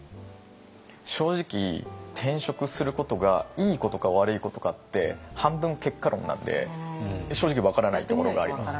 正直転職することがいいことか悪いことかって半分結果論なんで正直分からないところがあります。